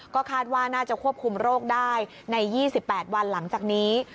ก็คาดว่าน่าจะควบคุมโรคได้ใน๒๘วันหลังจากนี้